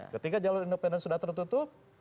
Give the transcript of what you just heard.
ketika jalur independen sudah tertutup